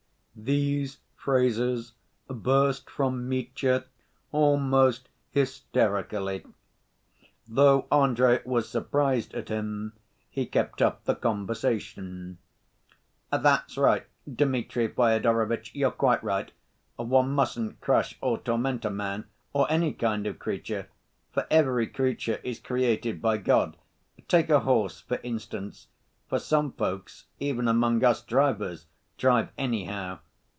These phrases burst from Mitya almost hysterically. Though Andrey was surprised at him, he kept up the conversation. "That's right, Dmitri Fyodorovitch, you're quite right, one mustn't crush or torment a man, or any kind of creature, for every creature is created by God. Take a horse, for instance, for some folks, even among us drivers, drive anyhow.